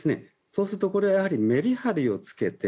そうするとこれはメリハリをつけて